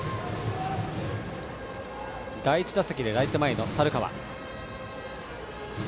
第１打席でライト前の樽川。